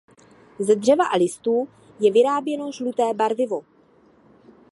Ze dřeva a listů je vyráběno žluté barvivo.